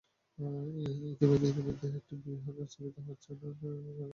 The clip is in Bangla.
ইতিমধ্যে চুক্তির একটি বৃহৎ অংশ বাস্তবায়িত হয়েছে এবং অন্যান্য ধারাগুলোও বাস্তবায়িত হচ্ছে।